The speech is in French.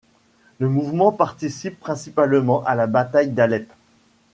Le mouvement participe principalement à la bataille d'Alep.